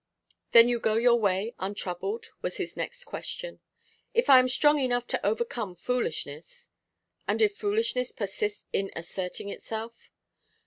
'Then you go your way untroubled?' was his next question. 'If I am strong enough to overcome foolishness.' 'And if foolishness persists in asserting itself?